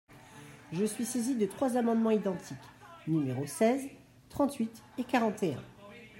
Je suis saisi de trois amendements identiques, numéros seize, trente-huit et quarante et un.